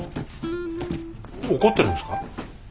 怒ってるんですか？